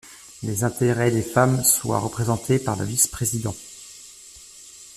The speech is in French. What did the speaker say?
Les intérêts des femmes soient représentés par le vice-président.